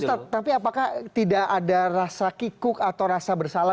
ustadz tapi apakah tidak ada rasa kikuk atau rasa bersalah